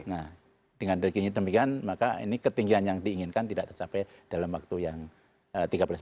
nah dengan ketinggian demikian maka ini ketinggian yang diinginkan tidak tercapai dalam waktu yang tiga belas menit